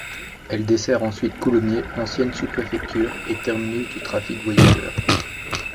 Elle dessert ensuite Coulommiers, ancienne sous-préfecture et terminus du trafic voyageurs.